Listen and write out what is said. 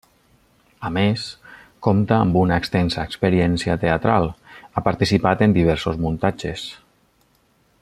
A més, compta amb una extensa experiència teatral: ha participat en diversos muntatges.